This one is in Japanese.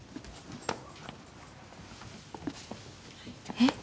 えっ。